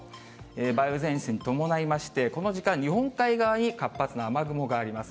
梅雨前線に伴いまして、この時間、日本海側に活発な雨雲があります。